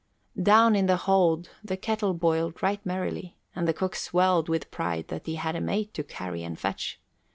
Down in the hold the kettle boiled right merrily, and the cook swelled with pride that he had a mate to carry and fetch.